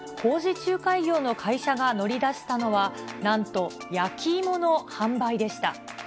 工事仲介業の会社が乗り出したのは、なんと焼き芋の販売でした。